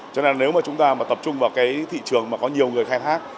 cho nên nếu mà chúng ta mà tập trung vào cái thị trường mà có nhiều người khai thác